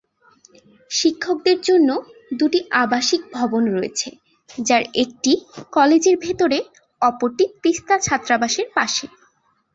শিক্ষকদের জন্য দুইটি আবাসিক ভবন রয়েছে; যার একটি কলেজের ভিতরে, অপরটি তিস্তা ছাত্রাবাসের পাশে।